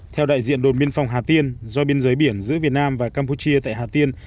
theo đại diện đồn biên phòng hà tiên do biên giới biển giữa việt nam và campuchia tại hà tiên